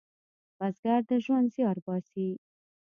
بزګر د ژوند زیار باسي